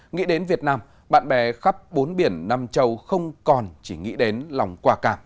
nghĩ đến việt nam bạn bè khắp bốn biển nam châu không còn chỉ nghĩ đến lòng quả cảm